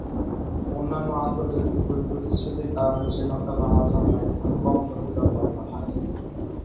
অন্যান্য আন্তর্জাতিক প্রতিশ্রুতির কারণে শ্রীলঙ্কা, বাংলাদেশ এবং পাকিস্তান কম শক্তিধর দল পাঠায়।